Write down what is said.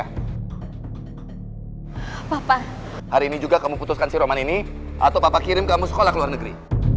hai papa hari ini juga kamu putuskan si roman ini atau papa kirim kamu sekolah ke luar negeri